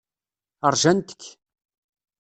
Rjant-k.